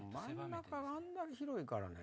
真ん中があんだけ広いからね。